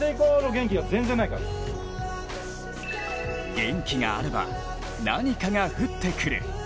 元気があれば何かが降ってくる。